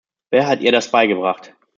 Wer hat ihr das beigebracht?